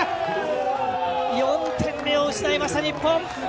４点目を失いました、日本。